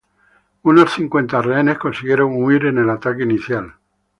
Unos cincuenta rehenes consiguieron huir en el ataque inicial.